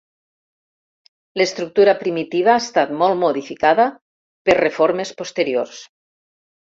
L'estructura primitiva ha estat molt modificada per reformes posteriors.